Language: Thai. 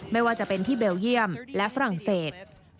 ไม่ว่าจะเป็นที่เบลเยี่ยมและฝรั่งเศส